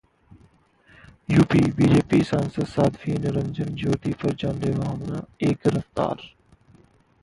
UP: BJP सांसद साध्वी निरंजन ज्योति पर जानलेवा हमला, एक गिरफ्तार